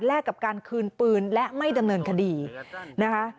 กับการคืนปืนและไม่ดำเนินคดีนะคะ